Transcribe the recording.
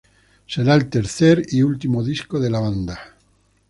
Será el tercer y último disco de la banda.